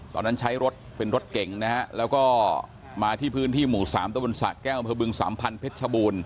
ตอนนั้นใช้รถเป็นรถเก่งนะครับแล้วก็มาที่พื้นที่หมู่๓ตะวันศักดิ์แก้วเผอบึง๓๐๐๐พบ